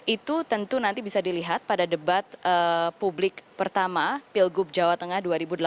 itu tentu nanti bisa dilihat pada debat publik pertama pilgub jawa tengah dua ribu delapan belas